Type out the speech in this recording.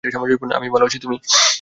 আমি ভালো আছি, তুমি?